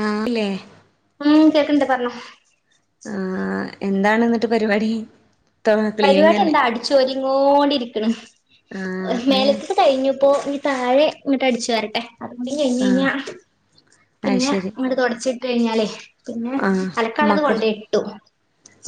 ആഹ് ല്ലേ ഉം കേക്ക്ണ്ട്‌ പറ്ഞ്ഞോ ആഹ് എന്താണ് ഇന്നട്ട് പരിപാടി ക്ലീനിങ് പരിപാടി തന്നെ എന്താ അടിച്ചോരിങ്ങോണ്ടിരിക്ക്ണ്‌ ആഹ് മേ മേലത്തത് കഴിഞ്ഞുപ്പോ ഇഞ് താഴെ ഇങ്ങട്ട് അടിച്ചു വാരട്ടെ അതും കൂടീം കയിഞ്ഞേ ആഹ് കഴിഞ്ഞ അത് പിന്നെ ശരി അങ്ങടെ തൊടച്ചിട്ട് ഇട്ടേയ്ഞ്ഞാലേ ആഹ് മക്കൾ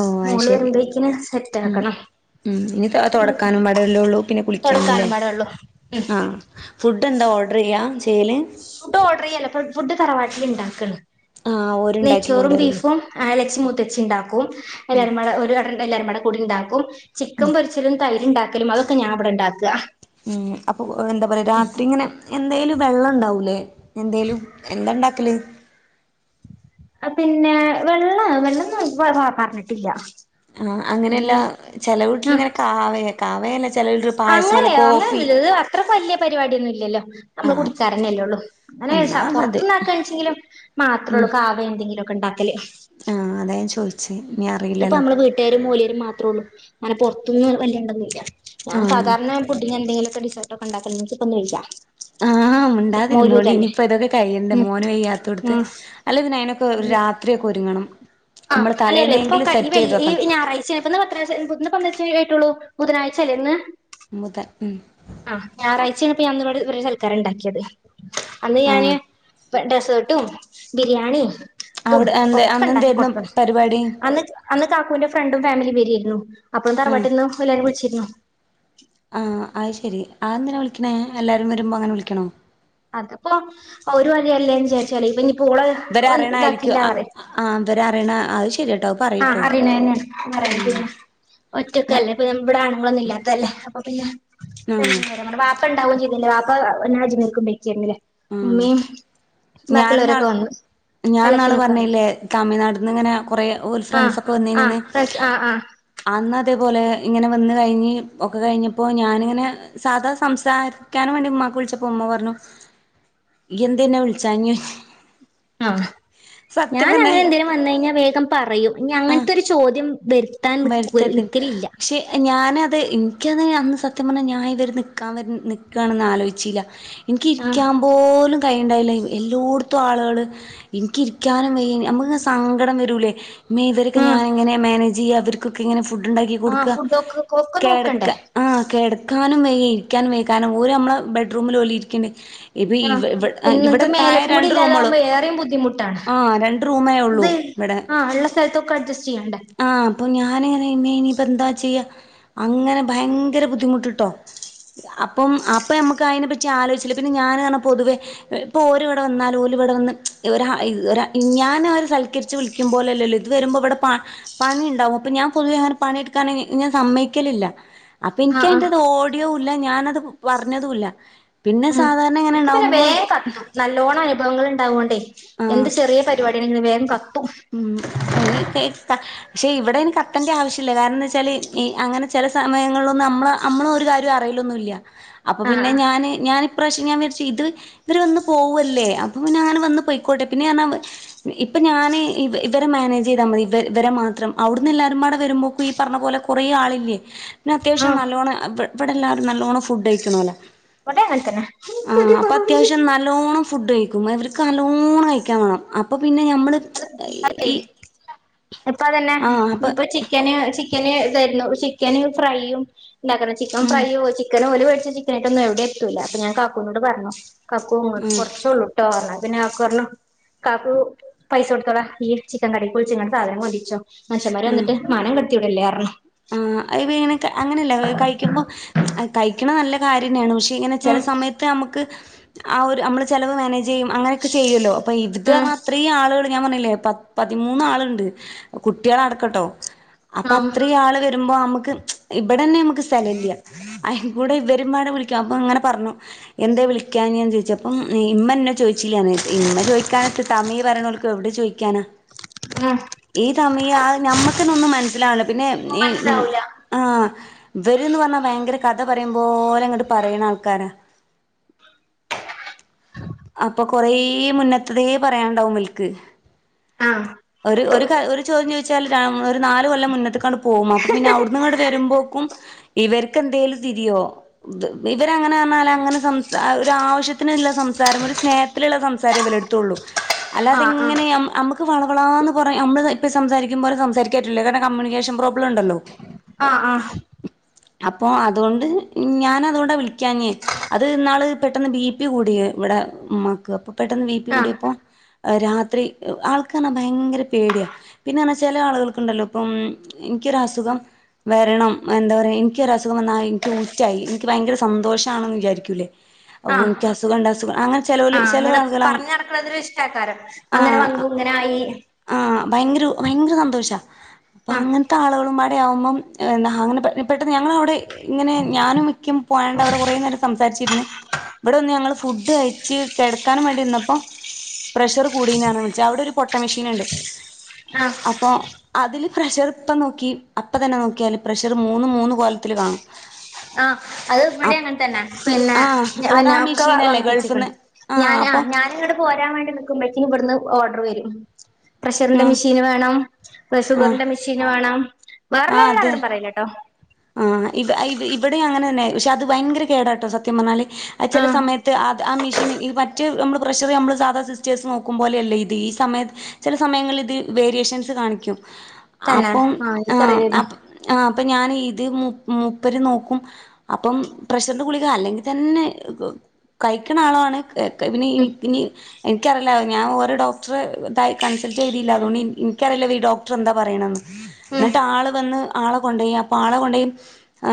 ഓ അയ് മോള് ശെരി വരുമ്പഴേക്കിന് സെറ്റ് ഉം ആക്കണം ഉം ഇനി തൊട പിന്നെ തൊടെക്കാനും പാടേല്ലേ ഒള്ളൂ പിന്നെ കുളിക്കാനുംല്ലേ തൊടക്കാനും പാടെ ഒള്ളു ഉം ആഹ് ഫുഡ് എന്താ ഓഡ്രയ്യാ ചെയ്യല് ഫുഡ് ഓഡ്രയ്യല്ല ഫുഡ് തറവാട്ടില് ഇണ്ടാക്ക ആഹ് [inaudible] ഓരുണ്ടാക്കി നെയ്ച്ചോറും കൊണ്ടുവരൂല്ലേ ബീഫും ആലച്ചി മൂത്തച്ചി ഇണ്ടാക്കും എല്ലാരും പാടെ ഒരു കട എല്ലാരും പാട കൂടിണ്ടാക്കും ചിക്കം ഉം പൊരിച്ചതും തൈ അത്ണ്ടാക്കലും അതൊക്കെ ഞാ ഇവടെ ഇണ്ടാക്ക ഉം അപ്പൊ ഏ എന്താ പറയാ രാത്രി ഇങ്ങനെ മ് എന്തേലും വെള്ളം ഇണ്ടാവൂലേ എന്തേലും എന്താ ഇണ്ടാക്കല് ആ പിന്നെ വെള്ളവാ വെള്ളംന്ന്‌പറഞ്ഞ് പറാ പറഞ്ഞിട്ടില്ല ആ അങ്ങനെയല്ല നീ ചെല ആ വീട്ടില് ഇങ്ങനെ കാവേ കാവേലൻ ചെല അങ്ങനെയോ അങ്ങനൊന്ന്ല്ലല്ലോ അത്ര [unintelligible] പരിപാടിയൊന്നുല്യാല്ലോ നമ്മള് ആഹ് കുടിചാരുന്നനല്ലേ ഉള്ളൂ അങ്ങനെ എന്നാ ശ മതി പുറത്തന്നാക്കെണിച്ചെങ്കിലും മാത്രേ ഉം ഉള്ളൂ കാവേ എന്തെങ്കിലും കണ്ട ല്ലേ ആഹ് അതാ ഞാൻ ചോയിച്ചേ മ് ഇനി ഇതിപ അറിയില്ലല്ലോ നമ്മള് വീട്ടുകാരും മൂലാരും മാത്രേ ഉള്ളു അങ്ങനെ പുറത്തുന്നു വല്യണ്ടന്നുല്ല ഞാൻ ആഹ് സാധാരണ പുട്ടിന് എന്തങ്കിലുമൊക്കെ ഡിസ് ട്ട കണ്ടത്തൽ നിപ്പന്ന ഇ [unintelligible] ല്ല [unintelligible] ആഹ് മിണ്ടാതിരുന്നോളി ഇനിയിപ്പോ ഇതൊക്കെ കഴ്യണ്ടേ ഉം മോന വെയ്യാത്തോടുത്ത് ഉം അല്ലെ പിന്നെ അയിതിനൊക്കെ ഒരു രാത്രിയൊക്കെ ഒരുങ്ങണം ആ നമ്മള് അലല്ലേ ഇപ്പൊ തലേന്നെങ്കിലും സെറ്റ് ചെയ്ത് വെക്കണം വെള്ളി ഞായറാഴ്ച ഇപ്പന്ന് എത്രശന്ന് [unintelligible] ആയിട്ടുള്ളൂ [unintelligible] ബുധനാഴ്ച അല്ലേ ഇന്ന് ബുധൻ അച്ചനപ്പോ ഞാ [unintelligible] ഇവിടെ ഇവരെ സലക്കാര് ഉണ്ടാക്കിയത് അന്ന് ആഹ് ഞാന്- [unintelligible] ‌ ഡസർട്ടും ബിരിയാണീം അവിടെ എന്താ അന്നെന്തായിരുന്നു? പരിപാടി. അന്ന് അന്ന് കാക്കൂന്റെ ഫ്രണ്ടും ഫാമിലിം വരിയാരുന്നു അപ്പം ഉം തറവാട്ടിന്നോ എല്ലാരേം വിളിച്ച് രുന്നു പിന്നെ എല്ലാരും വരുമ്പോ അങ്ങനെ വിളിക്കണോ? അത്പ്പം ഒരു [unintelligible] അല്ലേന്ന് വിചാരിച്ചാളി ഇനിയിപ്പ് ഇവരെ അറിയണായിരിക്കും അ ആ ഇവര് അച്ച് [unintelligible] അത്ശ ആഹ് അറിയണെന്നെയാണ് ഉം [unintelligible] ഞ ഒറ്റക്കല്ലേ ഇപ്പ ഇവിടെ ആണുങ്ങളൊന്നും ഇല്യാത്തല്ലേ അപ്പ പിന്നെ ആഹ് [unintelligible] വാപ്പ ഇണ്ടാവോം ചെയ്തില്ല വാപ്പ [unintelligible] ആഹ് ഉമ്മയും ഞാന് ബാക്കിയുള്ളവരൊക്കെ ന്നാള് വന്നു ഞാൻ ഇന്നാള് എളച്ചനൊക്കെ വന്നു പറഞ്ഞില്ലേ തമിഴ്നാട്ട്ന്ന് ഇങ്ങനെ കൊറെ ഓത്സ് ആഹ് ആഹ് ഫ്രഷ് ആ ആ അന്ന് അതേപോലെ ഇങ്ങനെ വന്ന് കഴിഞ്ഞ് ഒക്കെ കഴിഞ്ഞപ്പോ ഞാനിങ്ങനെ സാധാ സംസാരിക്കാൻ വേണ്ടി ഉമ്മാക്ക് വിളിച്ചപ്പോ ഉമ്മ പറഞ്ഞു ഇയ്യെന്തെ ന്നെ വിളിച്ചാഞ്ഞെ ആഹ് ഞാൻ അങ്ങനെ എന്തേലും വന്നു കഴിഞ്ഞാൽ വേഗം പറയും ഇനി ആ അങ്ങനത്തൊരു ചോദ്യം വരുത്താൻ നിക്ക നിക്കലില്ല. നത് എനിക്കത് അന്ന് സത്യം പറഞ്ഞാൽ ഞാൻ ഇത് വരെ നിക്കാൻ വരണ നിക്കണന്ന് ആലോചിച്ചില്ല. ആഹ് എനിക്കിരിക്കാൻ പോലും കൈയിണ്ടായില്ല എല്ലോട്ത്തും ആളുകള് എനിക്കിരിക്കാനും വയ്യ നമക്ക് ങ്ങനെ സങ്കടം വരൂലേ മേ ഇവരെക്കെ ആഹ് ഞാനെങ്ങനെ മാനേജ് ജീ അവർക്കൊക്കെ ഇങ്ങനെ ഫുഡുണ്ടാക്കി ആഹ് കൊടുക്ക ഫുഡൊക്കെ ഒക്കെ നോക്കണ്ടേ കെടക്കാ ആ കെടക്കാ നിക്കാനും വയ്യ ഇരിക്കാനും വയ്യ കാരണം ഓര് നമ്മളെ ബെഡ്റൂമില് ഓല് ഇരിക്ണ്ട്. പിന്നെ നിക്ക് മേലക്കും കൂടി റൂമോളു ഇല്ലാതാകുമ്പോ ഏറെയും ബുദ്ധിമുട്ടാണ് ആ രണ്ട് റൂമേ ഉള്ളൂ ഇത് ഇവിടെ ആ ഉള്ള സ്ഥലത്തൊക്കെ അഡ്ജസ്റ്റ് ചെയ്യണ്ടേ ആ അപ്പൊ ഞാന് ങ്ങനെ ഇപ്പ ഇനിപ്പ എന്താ ചെയ്യാ അങ്ങനെ ഭയങ്കര ബുദ്ധിമുട്ടിട്ടോ അപ്പം അപ്പൊ നമ്മുക്ക് അതിനെ പറ്റി ആലോചിച്ചില്ല പിന്നെ ഞാന് ന്ന് പറഞ്ഞാ പൊതുവേ ഇപ്പൊ ഓരിവിടെ വന്നാലും ഓല് ഇവിടെ വന്ന് ഞാൻ സൽക്കരിച്ച് വിളിക്കുമ്പോലല്ലല്ലോ ഇത് വരുമ്പോ ഇവിടെ പ പണി ഉണ്ടാവും അപ്പൊ ഞാൻ പൊതുവേ അങ്ങനെ പണിയെടുക്കാന് ഞാൻ സമ്മയ്ക്കലില്ല. അപ്പൊ ആഹ് എനിക്കയ്ന്റെ ആഹ് ടോ [unintelligible] ഞാനത് പറഞ്ഞതൂല്ല പിന്നെ സാധാണ ഇങ്ങനെ ഇണ്ടാവുമ്പോ നല്ലോണ്ണം അനുഭവങ്ങൾ ഉണ്ടാവോണ്ടേ എന്ത് ആഹ് ചെറിയ പരിപാടി ഉം എനിക്ക പക്ഷേ ഇവിടെേന്ന് കട്ടന്റെ ആവശ്യല്ല കാരണച്ചാല് അങ്ങനെ ചില സമയങ്ങൾലൊന്ന് നമ്മൾ നമ്മള ഒരു കാര്യം അറിയലൊന്നൂല്ല അപ്പൊ ആഹ് പിന്നെ ആഹ് ഞാന് ഞൻ പ്രശ്യം ഞാൻ വിരിച്ചു ഇത് ഇവര് വന്ന് പോവല്ലേ അപ്പൊ ഞാൻ വന്ന് പോയ്ക്കോട്ടെ പിന്നെ ഞാൻ ഇപ്പൊ ഞാന് ഇവ ഇവരെ മാനേജ് ചെയ്ത മതി ഇവ ഇവരെ മാത്രം അവിടന്ന് എല്ലാരുംമാടെ വരുമ്പോക്ക ഈ പറഞ്ഞ പോലെ കൊറെ ആളില്ലേ പിന്നെ അത്യാവശ്യം ആഹ് നല്ലോണം ഇവിടെ എല്ലാരും നല്ലോണം ഫുഡ് കഴിക്കണോല ഇവിടെ അങ്ങനെ തന്നെ ആ ഒരു അപ്പൊ കുറവില്ല അത്യാവശ്യം നല്ലോണം ഫുഡ് കഴിക്കും ഇവർക്ക് അലോണം കഴിക്കാ വേണം അപ്പൊ പിന്നെ ഞമ്മള് അത് ചിപ്പ് അതെ ഇപ്പൊ അതന്നെ ആഹ് അപ്പൊ ഇപ്പൊ ചിക്കന് ചി ചിക്കന് ഇതായിരുന്നു ചിക്കന് ഫ്രൈയും [unintelligible] ചിക്കൻ ഉം ഫ്രയോ ചിക്കനോ [unintelligible] [unintelligible] എവിടെത്തൂല്ല അപ്പ ഞാൻ കാക്കൂനോട് പറഞ്ഞു. കാക്കൂ ങ്ങക്ക് കുറച്ചൊള്ളൂ ട്ടോ ന്നാ പിന്ന കാക്കു പർഞ്ഞു കാക്കൂ പൈസ കൊടുത്താള ഇയ്യ് ചിക്കൻ കടേക്ക് വുൾച്ങ്ങാണ്ട് സാധനം കൊണ്ടറീചൊ. മൻഷന്മാര് വന്നിട്ട് മാനം കെട് [unintelligible] ആ അതിപ്പൊങ്ങനെ അങ്ങനല്ല കൈക്കുമ്പൊ അ കൈക്കണ നല്ല കാര്യന്നാണ് പക്ഷ് ഇങ്ങനെ ചെല ഉം സമയത്ത് നമ്മക്ക് ആ ഒരു അമ്മള് ചെലവ് മാനേജെയ്യും അങ്ങനൊക്കെ ചെയ്യൂല്ലോ? ഇത് പറഞ്ഞാ അത്രേ ആളുകള് ഞാം പറഞ്ഞില്ലേ പത് പതിമൂന്നാളിണ്ട് കുട്ട്യേളടക്കട്ടോ. ഉം അപ്പത്രേ ആള് രുമ്പോ അമ്മക്ക് ഇബിടെന്നമ്മക്ക് സ്ഥലല്ല്യ. അഹികൂടെ ഇവരുമ്പാടെ വിളിക്ക, അപ്പങ്ങന പറഞ്ഞു എന്തെ വിളിക്കാഞ്ഞേന്ന് ചോയിച്ചു അപ്പം ഇമ്മന്നെ ചോയിചീലെ ന്ന് ഇമ്മ ചോയ്ക്കാനിപ്പ തമിഴ് പറയണോൽക് എവടെ ചോയ്ക്കാനാ? ആഹ് ഈ തമിയ് ആ ഞമ്മക്കന്നൊന്നും മൻസ്സിലാവല്ല പിന്നെ എ ഉം, ആഹ് വര്ന്ന് പറഞ്ഞാ ഭയങ്കര കഥ പറയുമ്പോലങ്ങട്ട് പറയണാൾക്കാരാ. അപ്പൊ കൊറേ മുന്നത്തതേ പറയാണ്ടാവുമ്പൽക്ക്. ആഹ് രു ഒരു ക ഒരു ചോദ്യം ചോദിച്ചാല് രാ ഒരു നാല് കൊല്ലം മുന്നത്തക്കാണ്ട് പോവും അപ്പം പിന്ന അവിടന്ന്ങ്ങണ്ട് വരുമ്പോക്കും ഇവര്കെന്തേലും തിരിയോ? ത് ഇവരങ്ങനാന്നാല് അങ്ങന സംസ ഒരാവശ്യത്തിനിള്ള സംസാരം ഒരു സ്നേഹത്തിലിള്ള സംസാരം ഇവലട്ത്തുള്ളു. ആഹ് ആഹ് അല്ലാതെങ്ങനെയം അമ് ക് മാണം ളാന്ന് പറഞ് ഞമ്മള് ഇപ്പ സംസാരിക്ക്മ്പോല സംസാരിക്കാറ്റുല്ല കാരണം കമ്മ്യൂണിക്കേഷൻ പ്രോബ്ലണ്ടല്ലോ. ആഹ് ആഹ് അപ്പൊ അതുകൊണ്ട് ഞാനതുകൊണ്ടാ വിളിക്കാഞ്ഞേ അത് ന്നാള് പെട്ടെന്ന് ബി പി കൂടിയ ഇവിടെ മ്മാക്ക് അപ്പൊ പെട്ടെന്ന് ബി പി ആഹ് കൂടിയപ്പോ രാത്രി ആൾ ക്ക് പറഞ്ഞ ഭയങ്കര പേടിയാ പിന്നർഞ ചെല ആള്കൾക്ണ്ടല്ലോ പ്പം ഇൻക്കൊരസുഖം വരണം എന്താ പറയ എൻക്കൊരസുഖം വന്നാ എൻക്ക് ഊറ്റായി എൻക്ക് ഭയങ്കര സന്തോഷാണെന്ന് വിചാരിക്കൂല്ലേ. ആഹ് ചെലോല് ആഹ് ചെല അങ്ങന ആളുകള് പറഞ്ഞ് നടക്കണതൊരിഷ്ടക്കാരം. അങ്ങന വന്നൂങ്ങനായീ. ഭയങ്കരു ഭയങ്കര സന്തോഷ. പ്പ ആഹ് ങ്ങൻതാളുകളുമ്പാടിയാവുമ്മം അങ്ങനെ പെട്ടെന്ന് ഞങ്ങളവിടെ ഇങ്ങനെ ഞാനും ഇക്കിം പോയാണ്ടവിടെ കൊറേ നേരം സംസാരിച്ചിരിന്ന് ഇബിടന്ന് ഞങ്ങള് ഫുഡ് കയ്ച്ച് കെടക്കാനും വേണ്ടിന്നപ്പോ പ്രഷറ് കൂടീന്നർഞ് വിൾച് അവിടൊരു പൊട്ട മെഷീന്ണ്ട്. ആഹ് പ്രഷർപ്പം നോക്കി അപ്പ തന്നെ നോക്കിയാല് പ്രഷർ മൂന്നും മൂന്ന് കോലത്തിൽ കാണും. ആ അത്ബടിം അപ് അങ്ങൻതന്നെ പിന്നെ ആഹ് പിന്നെ അതാ ഒക്കെ മെഷീനല്ലേ വാങ്ങിപ്പിച്ക്ക്ണ് ഗൾഫിന്ന് ആഹ് ഞാൻ ആ അപ്പൊ ഞാനിങ്ങട്ട് പോരാൻവേണ്ടി നിക്കുമ്പ ഇവിട്ന്ന് ഓഡർ വരും പ്രഷറിന്റെ ആഹ് മെഷീന് വേണം ആഹ് ഷുഗറിന്റെ മെഷീന് വേണം ആ വേറെല്ലരാളോടും പറീലട്ടോ ആ ഇവ ഇ ഇവിടെയും അങ്ങനെ തന്നെ പക്ഷെ അത് ഭയങ്കര കേടാട്ടോ സത്യം പറഞ്ഞാല് ചെല ആഹ് സമയത്ത് അ ആ മിഷ് ഈ മറ്റ് നമ്മള് പ്രഷറ് നമ്മള് സാധാ സിസ്റ്റേഴ്സ് നോക്കുമ്പോലെയല്ല ഇത് ഈ സമയത്ത് ചില സമയങ്ങളിൽ ഇത് വേരിയേഷൻസ് കാണിക്കും തന്നെ അപ്പം ആഹ് ആ എനിക്കറിയില്ലേര്ന്നു അപ്പ് അപ്പൊ ഞാനി ത് മു മൂപ്പര് നോക്കും അപ്പം പ്രഷർന്റെ ഗുളിക അല്ലെങ്കിൽ തന്നെ കഴിക്കണ ആളാണ് പിന്നെ ഉം ൻക്ക്ഞ്ഞ് ൻക്കറിയില്ല ഞാൻ ഓരോ ഡോക്ടറെ തായ് കൺസൽട്ടെയ്തില്ല അതുകൊണ്ട് ൻ ൻക്കറിയില്ലല്ലോ ഈ ഡോക്ടറെന്താ പറയണെന്ന് ഉം ന്നട്ട് ആള് വന്ന് ആളെ കൊണ്ടോയെപ്പ ആണ കെണ്ടേയി ഏ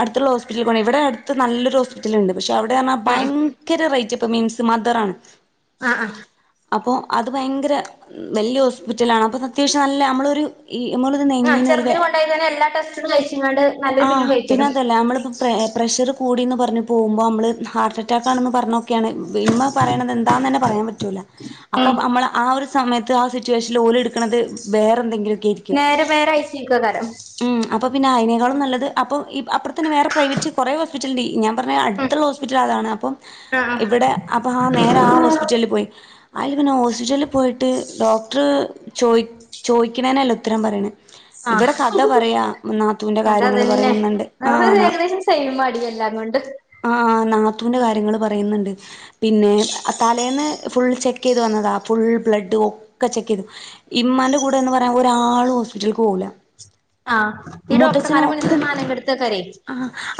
അടുത്തുള്ള ഹോസ്പിറ്റലിൽ കൊണ്ടോയി ബടെ അടുത്ത് നല്ലൊരു ഹോസ്പിറ്റല്ണ്ട് പക്ഷെ അവിടെറഞ്ഞാ ഉം ഉം ഭയങ്കര റേറ്റ് പ്പം മിംസ്സ് മദറാണ് ആ ആ അപ്പോ അത് ഭയങ്കര വല്യ ഹോസ്പിറ്റലാണ് അപ്പൊ അത് അത്യാവശ്യം നല്ല നമ്മളൊരു ഈ നമ്മളൊരു ആ ചെറുതിനെ കൊണ്ടോയി എല്ലാ ടെസ്റ്റും കഴി ആ പിന്നെ അതല്ല നമ്മളിപ്പോ പ്രെ പ്രെ പ്രഷർ കൂടീന്ന് പറഞ്ഞ് പോകുമ്പോ മ്മൾ ഹാർട്ട് അറ്റാക്കാണെന്ന് പറഞ്ഞൊക്കെയാണ് ഇമ്മ പറയണത് എന്താന്നന്നെ പറയാൻ പറ്റൂല്ല അപ്പൊ ഉം മ്മള് ആ ഒരു സമയത്ത് ആ സിറ്റുവേഷനിൽ ഓലെട്ക്ക്ണത് വേറെ എന്തെങ്കിലും നേരെ നേരെ ഐസിയുക്കെക്കാരം ഉം അപ്പൊ പിന്നെ അയിനേക്കാളും നല്ലത് അപ്പം ഈ അപ്പർ ത്തന്നെ വേറെ പ്രൈവറ്റ് കുറെ ഹോസ്പിറ്റൽണ്ട് ഞാൻ പറഞ്ഞത് ഉം അടുത്തുള്ള ഹോസ്പിറ്റൽ അതാണ് അപ്പം ആഹ് ഇവിടെ അപ്പൊ ആ നേരെ ആ ഹോസ്പിറ്റലിൽ പോയി അയില് പിന്നെ ഹോസ്പിറ്റല് പോയിട്ട് ഡോക്ടറ് ചോയ് ചോയ്ക്ണേനല്ല ഉത്തരം പറയണേ ആഹ് ഇവടെ കഥ പറയാ നാത്തൂന്റെ കാര്യങ്ങള് അതതന്നെ പറയ്ന്ന്ണ്ട് ആ അവര് നാ ഏകദേശം സെയിമാടി എല്ലാം കൊണ്ട് ആ നാ ത്തൂന്റെ കാര്യങ്ങള് പറയ്ന്ന്ണ്ട് പിന്നെ തലേന്ന് ഫുൾ ചെക്ക് ചെയ്ത് വന്നതാ ഫുൾ ബ്ലഡ് ഒക്കെ ചെക്ക് ചെയ്തു ഇമ്മാന്റെ കൂടെന്ന് പറയാ ഒരാളും ഹോസ്പിറ്റൽക്ക് പോകൂല്ല ആ മൂത്തച്ഛനൊക്കെ ആ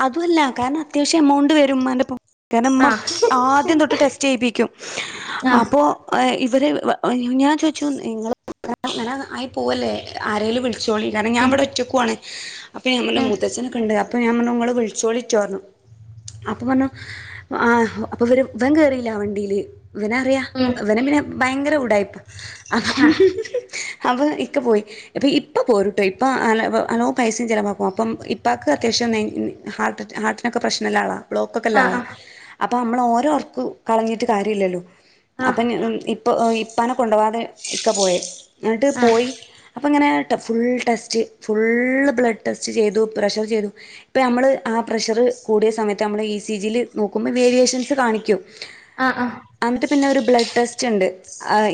അതുഅല്ല കാരണം അത്യാവശ്യം എമൗണ്ട് വരും മ്മാന്റെപ്പം കാരണം മ്മ ആഹ് ആദ്യം തൊട്ട് ടെസ്റ്റ് ചെയ്യിപ്പിക്കും ആഹ് അപ്പൊ എ ഇവര് [unintelligible] ഞാൻ ചോദിച്ചു നിങ്ങൾ [unintelligible] ആയി പോവല്ലേ ആരേലും വിളിച് ചോളി കാര ഉം ഞാൻവിടെ ഒറ്റക്കുവാണ് അപ്പൊ ഞാന്‍ പറഞ്ഞു ഉം മൂത്തച്ഛനെ കണ്ട അപ്പൊ ഞാൻ പറഞ്ഞു നിങ്ങള്‍ വിളിച്ചോളി ട്ട് പറഞ്ഞു അപ്പൊ പറഞ്ഞു ഇവ ഇവൻ കേറില്ല വണ്ടിയില് ഇവന്‍ അറിയ ഉം ഇവനെ പിന്നെ ഭയങ്കര ഉടായ്പ് ആ ഹ് ആഹ് ഹ് അവ ഇക്ക പോയി അപ്പം ഇപ്പ പോരട്ടോ ഇപ്പ അലോ പൈസയും ചിലവാക്കും അപ്പം ഇപ്പക്ക് അത്യാവശ്യം [unintelligible] ഹാർട്ട് ഹാര്‍ട്ടിന് പ്രശ്‌നം ഉള്ള ആളാ ബ്ലോക്ക് ഒക്കെ ഉള്ള ആഹ് ആളാ അപ്പോ നമ്മൾ ഓരോ ഒറകോം കളഞ്ഞിട്ട് കാര്യമില്ലല്ലോ ആഹ് അപ്പൊ ആഹ് ഇ ഇപ്പ ഇപ്പനെ കൊണ്ടുപവാതെ ഇക്ക പോയ എന്നിട്ട് ആഹ് പോയി അപ്പം ഇങ്ങനെ full test full blood test ചെയ്തു പ്രഷർ ചെയ്തു ഇപ്പം നമ്മൾ ആ പ്രഷറ് കൂടിയ സമയത്ത് നമ്മൾ ഇ സി ജിയിൽ നോക്കുമ്പോൾ വേരിയേഷൻസ് കാണിക്കും ആഹ് അന്നട്ട് പിന്നെ ഒരു ബ്ലഡ് ടെസ്റ്റ് ഉണ്ട്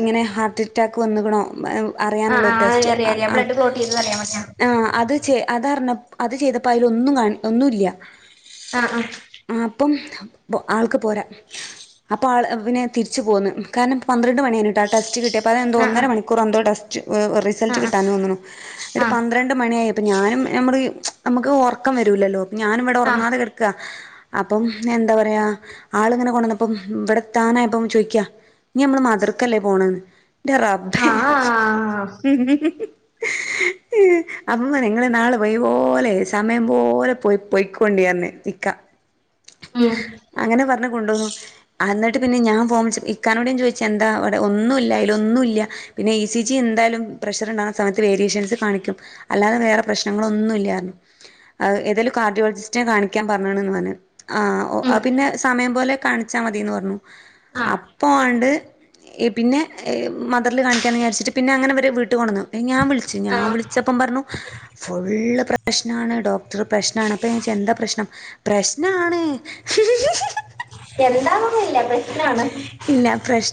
ഇങ്ങനെ ഹാർട്ട് അറ്റാക്ക് വന്ന കണോ ആ ആ അ അറിയാം അറിയാ ബ്ലഡ് ക്ലോട്ട് ചെയ്തത് അറിയാ മറ്റെ [unintelligible] അതറിഞ്ഞ അത് ചെയ്തപ്പോ അതില ഒന്നും കാ ഒന്നുംല്ല ആഹ് ആ അപ്പം ആൾക്ക് പോരാ അപ്പൊ ആ പിന്നെ തിരിച്ചു പോന്നു കാരണം പന്ത്രണ്ട് മണിയാണ് ട്ട വച്ച് കട്ടിയപ്പ അ എന്തോ ആഹ് ഒന്നര മണിക്കൂര്‍ എന്തോ ടെസ്റ്റ് റിസൾട്ട് ആഹ് ആഹ് കിട്ടാൻ വ ഇടെ ആഹ് പന്ത്രണ്ട് മണിയ അപ്പൊ ഞാനും നമ്മള് നമുക്ക് ഉറക്കം വരൂല്ലല്ലോ ഞാനിവിടെ ഉറങ്ങാതെ കിടക്കുവാ അപ്പം എന്താ പറയാ ആള് ഇങ്ങനെ കൊണ്ടുവന്നപ്പം ഇവിടെ താനായപ്പം ചോദിക്കാ നി നമ്മള് മതിർക്കല്ലേ പോണന്ന് ന്റെ റബ്ബേ ആഹ് ആഹ് അപ് അമ്മ നിങ്ങള് നാളെ പോയ പോലെ സമയം പോലെ പോയി പോയ്ക്കോണ്ടിന്ന് നിക്ക ഉം കൊണ്ടോന്നു എന്നിട്ട് പിന്നെ ഞാൻ ഫോൺ വിളിച്ച്പ്പം ഇക്കാന്നോട് ഞാൻ ചോദിച്ച എന്താവിടെ ഒന്നും ഇല്ല അതില ഒന്നും ഇല്ല പിന്നെ ഇ സി ജി എന്തായാലും പ്രഷർ ഉണ്ടാകുന്ന സമയത്ത് വേരിയേഷൻസ് കാണിക്കും അല്ലാതെ വേറെ പ്രശ്നങ്ങളൊന്നും ഇല്ലായിരുന്നു ഏതേലും കാർഡിയോളജിസ്റ്റിനെ കാണിക്കാൻ പറഞ്ഞണ എന്ന് പറഞ്ഞു ആഓ ഉം പിന്നെ സമയം പോലെ കാണിച്ചാൽ മതിയന്ന് പറഞ്ഞു ആഹ് അപ്പോൾ ണ്ട് പിന്നെ മദറിൽ കാണിക്കാന്ന് വിചാരിച്ചിട്ട് പിന്നെ അങ്ങനെ വരെ വീട്ട് കൊണ്ടുവന്നു ഞാൻ വിളിച്ചു ഞാൻ ആഹ് വിളിച്ചപ്പം പറഞ്ഞു ഫുള്ള് പ്രശ്നാണ് ഡോക്ടർ പ്രശ്നാണ് അപ്പ ഞാന്‍ ചോദിച്ച് എന്താ പ്രശ്നം പ്രശ്നാണ് എന്താന്നൊന്നില്ല പ്രശ് എന്നാണ്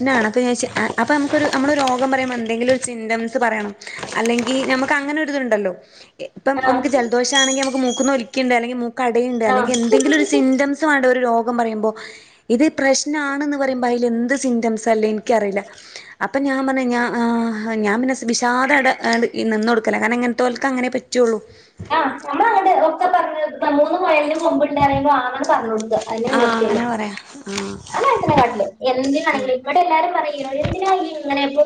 [unintelligible] ന്നാണ് അപ്പൊ ഞാ ചോയ്ച്ചു ആ അപ്പൊ ഞമ്മക്കൊരു ഞമ്മളൊരു രോഗം പറയുമ്പോ എന്തെങ്കിലും ഒരു സിംന്റ്മ്സ് പറയണം അല്ലെങ്കി ഞമ്മക്ക് അങ്ങനെ ഒരിതുണ്ടല്ലോ ഇപ്പം ആഹ് നമുക്ക് ജലദോഷാണെങ്കി നമുക്ക് മൂക്കുന്ന് ഒലിക്കെൺണ്ട് അല്ലെങ്കി മൂക്കടയുണ്ട് അല്ലെങ്കി എൻ എന്തെങ്കിലും ഒരു ആഹ് സിംന്റമ്സ് വേണ്ടെ ഒരു രോ ന്നും പറയുമ്പോ ഇത് പ്രശ്നാ നിന്ന് പറയുമ്പോ അതിൽ എന്ത് സിംറ്റംസാല്ലെ ഇൻക്കറിയില്ല അപ്പൊ ഞാൻ പറഞ്ഞു ഞാൻ ആ വിഷാദട നിന്ന് കൊടുക്കല കാരണം ഇങ്ങനത്തോൽക്കങ്ങനെ പറ്റൊ ള്ളു ആഹ് പ്പ്ണ്ട്ന്ന് പറയുമ്പോ ആന്നണ്ട് പറഞ്ഞൊട്ക അതെന്നെ ആഹ് നിവർത്തിയുള്ളൂ അങ്ങനെ പറയാ ആഹ് ഞാനങ്ങനെതന്നെ കാട്ടല് എന്തിനാണെങ്കിലും ഇവിടെ എല്ലാരും പറയും എന്തിനാ ഇയ്യ്ങ്ങനെ പൊ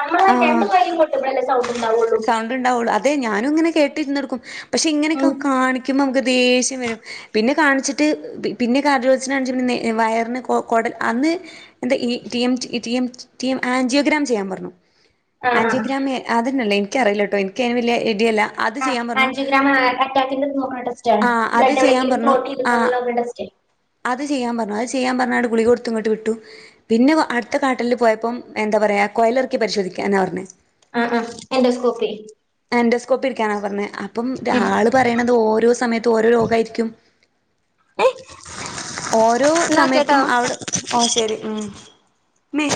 നമ്മളെ രണ്ട് കയ്യും കൊട്ടുമ്പയല്ലെ സൗണ്ട്ണ്ടാവു സൗണ്ട്ണ്ടാവൊള്ളു അ തെ ഞാനും ഇങ്ങനെ കേട്ടിരുന്നൊടുക്കും പഷേ ഇങ്ങനൊക്കെ കാണി ക്കുമ്പോ ദേഷ്യം വരും പിന്നെ കാണിച്ചിട്ട് പി പിന്നെ കാർഡിയോളജിസ്റ്റിനെ കാണിച്ച് നേ വയറിന് കൊ കൊടൽ അന്ന് എന്താ ഈ ട്ടി എമ് ട്ടി എമ് ട്ടി എമ് ആൻജിയോഗ്രാം ചെയ്യാൻ പറഞ്ഞു ആഹ് ആഹ് ആഞ്ചിയോഗ്രാമെ അത് ഇന്നല്ലേ ഇക്കറിയില്ലട്ടോ കേട്ടോ എനിക്കേന് വല്യ ഐഡിയല്ല ചെയ്യാൻ പറഞ്ഞു ആഞ്ചിയോഗ്രാം ആ അറ്റാക്കിന്റെ നോക്ക്ണ ടെസ്റ്റാണ് ആ അത് ബ്ലഡ് ചെയ്യാൻ എവിടെങ്കിലും ഫ്ലോട്ടീത്കുണോള്ള നോക്ക്ണ ടെസ്റ്റ് ഇത് ചെയ്യാൻ പറഞ്ഞു അത് ചെയ്യാൻ പറഞാണ്ട് ഗുളിക കൊടുത്ത് ഇങ്ങോട്ട് വിട്ടു പിന്നെ അടുത്ത കാട്ടലിൽ പോയപ്പം എന്താ പറയാ കൊയലെറക്കി പരിശോധിക്കാന പറഞ്ഞെ ആഹ് ആഹ് എൻഡോസ്കോപ്പി എൻടൊസ്കോപ്പി ഇരിക്കാനാണ് പറഞ്ഞെ അപ്പം ആള് പറയണത് ഓരോ സമയത്തും ഓരോ രോഗാ യിരിക്കും ഓരോ എന്നാ സമയത്തും ഓക്കെട്ടോ അവ്ടെ ആഹ് ശരി ഉം മേ